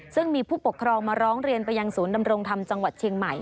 ซึ่งมีผู้ปกครองมาร้องเรียนไปยังศูนย์ดำรงธรรมจังหวัดเชียงใหม่